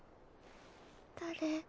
誰？